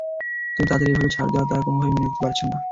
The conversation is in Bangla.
কিন্তু তাঁদের এভাবে ছাড় দেওয়া তাঁরা কোনোভাবেই মেনে নিতে পারছেন না।